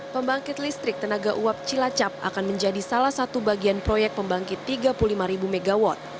pembangkit listrik tenaga uap cilacap akan menjadi salah satu bagian proyek pembangkit tiga puluh lima mw